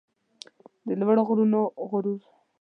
د لوړو غرونو غرور